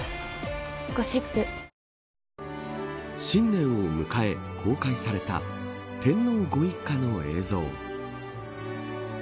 新年を迎え、公開された天皇ご一家の映像。